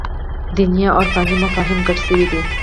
دیني او عرفاني مفاهیم ګډ شوي دي.